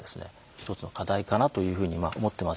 一つの課題かなというふうに思ってます。